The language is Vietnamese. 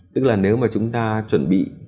tức là nếu mà chúng ta chuẩn bị